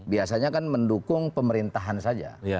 biasanya kan mendukung pemerintahan saja